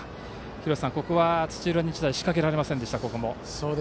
廣瀬さん、ここも土浦日大仕掛けられませんでした。